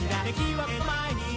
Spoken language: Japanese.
はい。